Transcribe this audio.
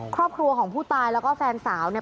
ครอบครัวของผู้ตายแล้วก็แฟนสาวเนี่ย